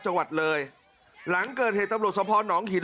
จังหวัดเลยหลังเกิดเหตุตำรวจสภหนองหิน